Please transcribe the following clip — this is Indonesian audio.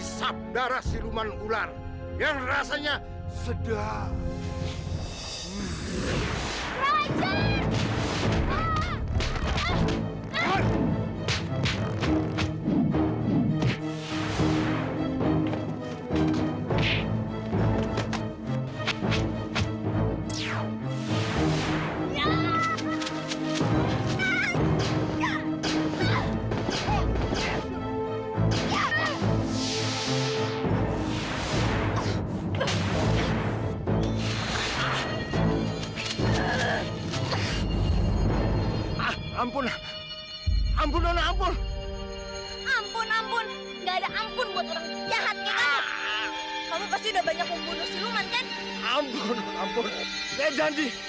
saya tidak neng saya janji